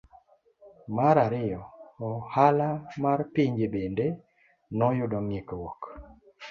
Mar ariyo, ohala mar pinje bende noyudo ng'ikruok.